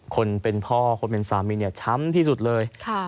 คนเป็นพ่อคนเป็นสามีเนี่ยช้ำที่สุดเลย